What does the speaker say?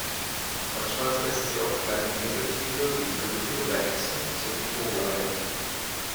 Manchmal fressen sie auch kleine Wirbeltiere wie Vögel oder Echsen sowie Vogeleier.